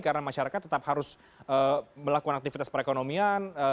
karena masyarakat tetap harus melakukan aktivitas perekonomian